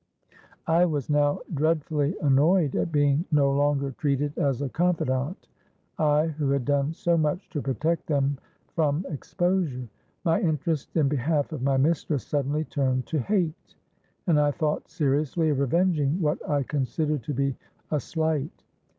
I was now dreadfully annoyed at being no longer treated as a confidant, I who had done so much to protect them from exposure! My interest in behalf of my mistress suddenly turned to hate; and I thought seriously of revenging what I considered to be a slight.